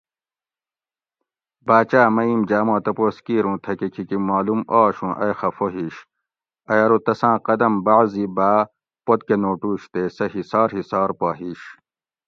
باچاۤ مئیم جاۤ ما تپوس کیر اوں تھکہ کھیکی معلوم آش اوں ائی خفہ ہِیش؟ ائی ارو تساۤں قدم بعضی بھاۤ پتکہ نوٹوش تے سہ ہِسار ہِسار پا ھیش